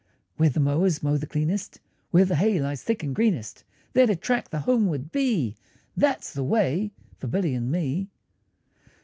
Where the mowers mow the cleanest, Where the hay lies thick and greenest, There to track the homeward bee, That's the way for Billy and me.